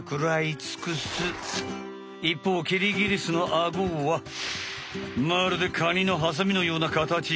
いっぽうキリギリスのアゴはまるでカニのはさみのようなかたち。